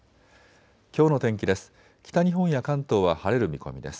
きょうの天気です。